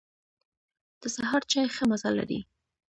د سهار چای ښه مزه لري.